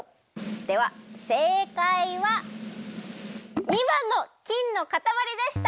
ではせいかいは２ばんの金のかたまりでした！